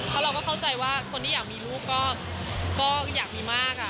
เพราะเราก็เข้าใจว่าคนที่อยากมีลูกก็อยากมีมาก